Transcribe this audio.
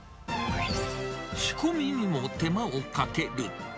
仕込みにも手間をかける。